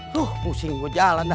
huh pusing gue jalan dah